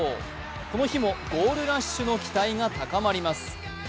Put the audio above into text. この日もゴールラッシュの期待が高まります。